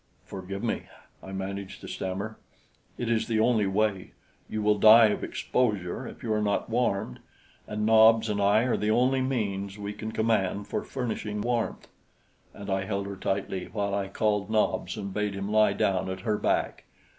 "Forgive me," I managed to stammer. "It is the only way. You will die of exposure if you are not warmed, and Nobs and I are the only means we can command for furnishing warmth." And I held her tightly while I called Nobs and bade him lie down at her back.